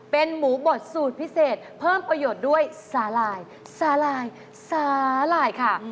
เป็นหมูบดสูตรพิเศษเพิ่มประโยชน์ด้วยสาหร่ายสาหร่ายสาหร่ายค่ะ